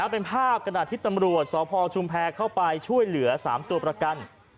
เป็นภาพขณะที่ตำรวจสพชุมแพรเข้าไปช่วยเหลือ๓ตัวประกัน